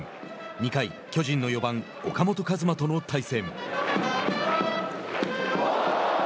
２回、巨人の４番岡本和真との対戦。